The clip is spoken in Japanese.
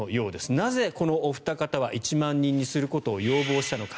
なぜ、このお二方は１万人にすることを要望したのか。